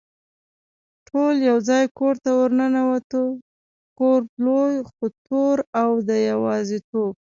ټول یو ځای کور ته ور ننوتو، کور لوی خو تور او د یوازېتوب.